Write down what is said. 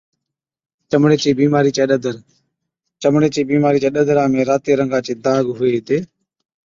چمڙي چِي بِيمارِي چَي ڏَدر، چمڙي چِي بِيمارِي چي ڏَدرا ۾ راتي رنگا چي داگ هُوَي هِتي